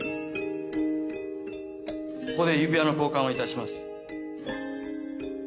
ここで指輪の交換をいたします。